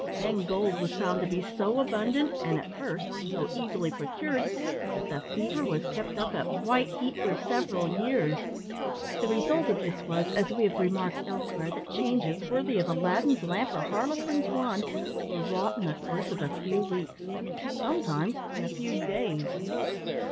Then gold was found to be so abundant, and, at first, so easily procured, that the fever was kept up at white heat for several years. The result of this was, as we have remarked elsewhere, that changes, worthy of Aladdin's lamp or Harlequin's wand, were wrought in the course of a few weeks, sometimes in a few days.